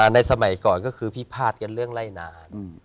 ในสมัยก่อนก็คือพิพาทกันเรื่องไล่นาน